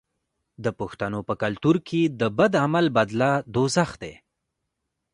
د پښتنو په کلتور کې د بد عمل بدله دوزخ دی.